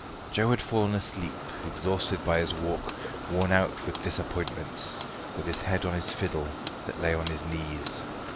Joe had fallen asleep, exhausted by his walk, worn out with disappointments, with his head on his fiddle, that lay on his knees.